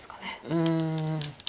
うん。